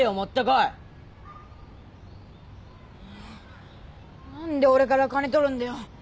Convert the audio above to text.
なぁ何で俺から金取るんだよ？